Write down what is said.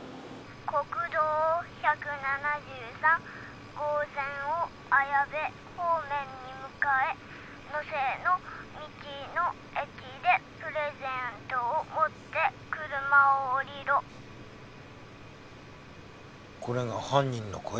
「国道１７３号線を綾部方面に向かえ」「能勢の道の駅でプレゼントを持って車を降りろ」これが犯人の声？